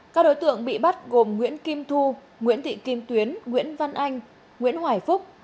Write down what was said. các đối tượng bị bắt gồm nguyễn kim thu nguyễn thị kim tuyến nguyễn văn anh nguyễn hoài phúc